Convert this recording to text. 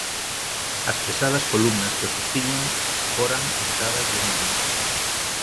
As pesadas columnas que o sostiñan foran untadas de minio.